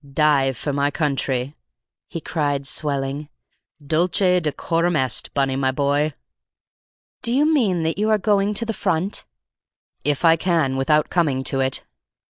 "Dye for my country," he cried, swelling. "Dulce et decorum est, Bunny, my boy!" "Do you mean that you are going to the front?" "If I can without coming to it."